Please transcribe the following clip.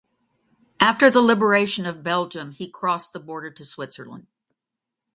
After the liberation of Belgium, he crossed the border to Switzerland.